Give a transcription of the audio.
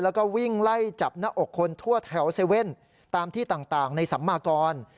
แล้วก็วิ่งไล่จับหน้าอกคนทั่วแถว๗๑๑ตามที่ต่างในสัมมากร